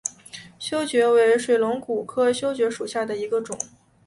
修蕨为水龙骨科修蕨属下的一个种。